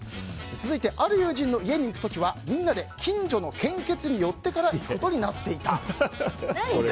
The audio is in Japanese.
続いて、ある友人の家に行く時はみんなで近所の献血に寄ってから行くことになっていた。